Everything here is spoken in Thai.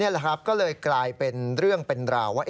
แหละครับก็เลยกลายเป็นเรื่องเป็นราวว่า